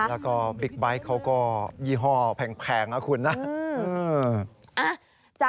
แล้วก็บิ๊กไบท์เขาก็ยี่ห้อแพงนะคุณนะ